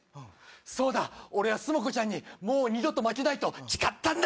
そうだ、俺はすも子ちゃんにもう二度と負けないと誓ったんだ。